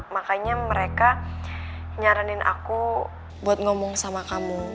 makanya mereka nyaranin aku buat ngomong sama kamu